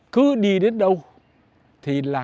cứ đi đến đâu thì là